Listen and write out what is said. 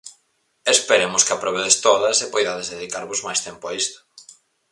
Esperemos que aprobedes todas e poidades dedicarvos máis tempo a isto!